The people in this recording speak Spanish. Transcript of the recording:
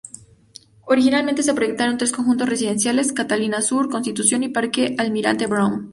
Originalmente se proyectaron tres conjuntos residenciales: Catalinas Sur, Constitución y Parque Almirante Brown.